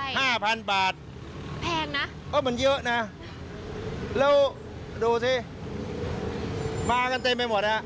ใช่แพงนะมันเยอะนะแล้วดูสิมากันเต็มไปหมดนะ